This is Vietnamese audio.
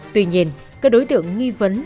tuy nhiên các đối tượng nghi vấn